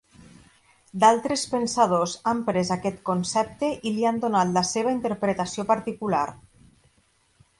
D'altres pensadors han pres aquest concepte i li han donat la seva interpretació particular.